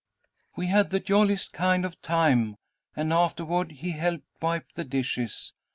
"'We had the jolliest kind of a time, and afterward he helped wipe the dishes.